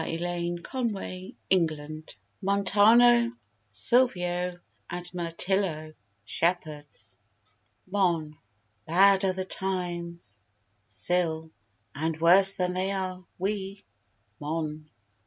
A PASTORAL SUNG TO THE KING MONTANO, SILVIO, AND MIRTILLO, SHEPHERDS MON. Bad are the times. SIL. And worse than they are we. MON.